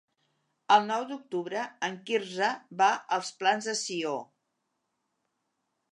El nou d'octubre en Quirze va als Plans de Sió.